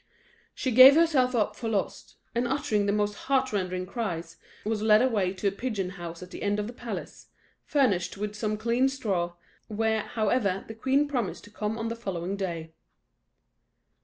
She gave herself up for lost, and uttering the most heart rending cries, was led away to a pigeon house at the end of the palace, furnished with some clean straw, where, however, the queen promised to come on the following day.